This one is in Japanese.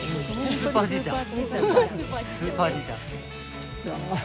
スーパーじいちゃん。